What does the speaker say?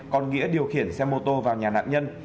còn nghĩa điều khiển xe mô tô vào nhà nạn nhân